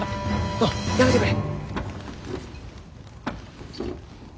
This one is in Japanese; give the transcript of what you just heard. のうやめてくれ。